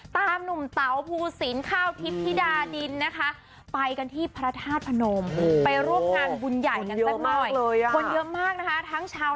ตามหนุ่มเต๋าภูศินคร่าวทิสธิดายนินทร์นะคะ